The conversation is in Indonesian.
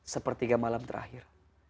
sepertiga malam terakhir